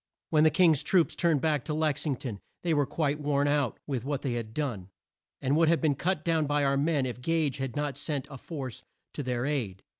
When the King's troops turned back to Lex ing ton, they were quite worn out with what they had done, and would have been cut down by our men if Gage had not sent a force to their aid.